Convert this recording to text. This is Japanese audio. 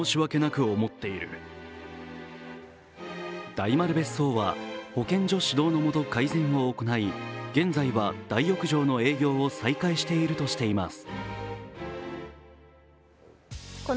大丸別荘は、保健所指導のもと改善を行い現在は、大浴場の営業を再開しているとしています。